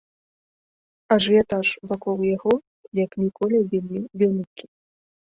Ажыятаж вакол яго як ніколі вельмі вялікі.